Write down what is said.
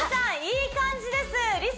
いい感じですハッ！